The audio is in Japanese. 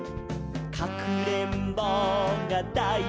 「かくれんぼうがだいすきです」